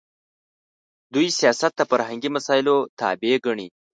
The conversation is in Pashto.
دوی سیاست د فرهنګي مسایلو تابع ګڼي.